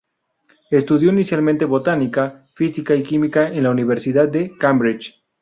Estudió inicialmente botánica, física y química en la Universidad de Cambridge.